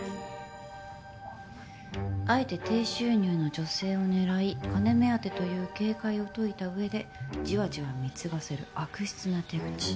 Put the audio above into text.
「あえて低収入の女性を狙い金目当てという警戒を解いた上でじわじわ貢がせる悪質な手口。